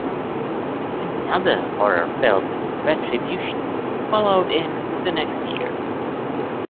Another horror film, "Retribution", followed in the next year.